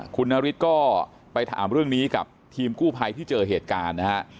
คุณนฤทธิ์ก็ไปถามเรื่องนี้กับทีมกู้ภัยที่เจอเหตุการณ์นะฮะ